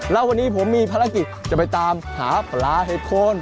แล้ววันนี้ผมมีภารกิจจะไปตามหาปลาเห็ดโคน